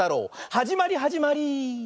はじまりはじまり！